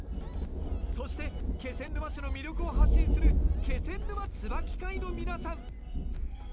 そして気仙沼市の魅力を発信する気仙沼つばき会の皆さん